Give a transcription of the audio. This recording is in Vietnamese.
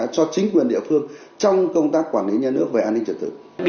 cho chính quyền địa phương trong công tác quản lý nhà nước về an ninh trật tự